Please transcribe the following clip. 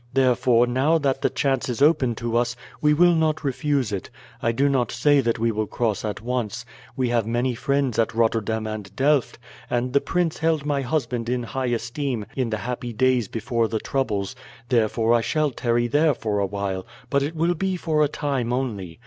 Therefore, now that the chance is open to us, we will not refuse it. I do not say that we will cross at once. We have many friends at Rotterdam and Delft, and the prince held my husband in high esteem in the happy days before the troubles; therefore I shall tarry there for a while, but it will be for a time only.